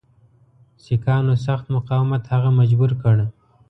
سیکهانو سخت مقاومت هغه مجبور کړ.